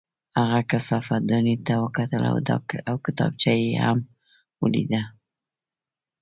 هغه کثافت دانۍ ته وکتل او کتابچه یې هم ولیده